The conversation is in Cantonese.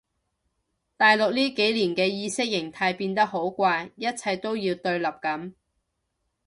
大陸呢幾年嘅意識形態變得好怪一切都要對立噉